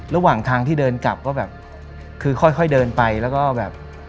ระหว่างทางที่เดินกลับก็แบบคือค่อยเดินไปแล้วก็แบบ